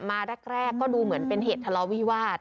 มาแรกก็ดูเหมือนเป็นเหตุทะเลาวิวาส